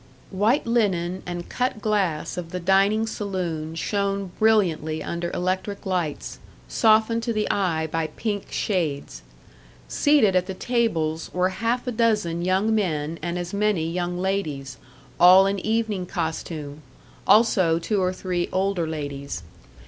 White linen and cut glass of the dining saloon shone brilliantly under electric lights, softened to the eye by pink shades. Seated at the tables were half a dozen young men and as many young ladies, all in evening costume; also two or three older ladies.